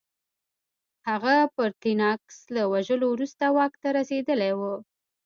هغه پرتیناکس له وژلو وروسته واک ته رسېدلی و